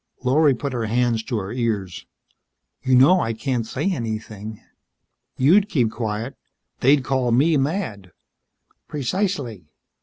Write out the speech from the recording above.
Lorry put her hands to her ears. "You know I can't say anything. You'd keep quiet. They'd call me mad." "Precisely."